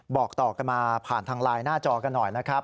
บอกต่อกันมาผ่านทางไลน์หน้าจอกันหน่อยนะครับ